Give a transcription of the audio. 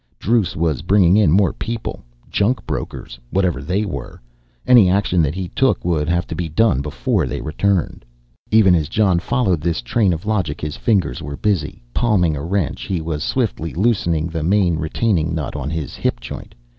Druce was bringing in more people, junk brokers, whatever they were. Any action that he took would have to be done before they returned. Even as Jon followed this train of logic his fingers were busy. Palming a wrench, he was swiftly loosening the main retaining nut on his hip joint.